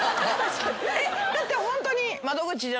だってホントに。